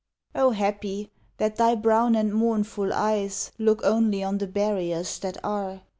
happy! that thy brown and mournful eyes Look only on the barriers that are